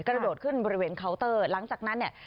กระโดดขึ้นบริเวณเคาน์เตอร์หลังจากนั้นเนี่ย